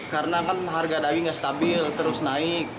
karena kan harga dagingnya stabil terus naik